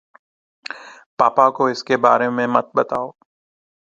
پاپا کو اِس بارے میں مت بتاؤ۔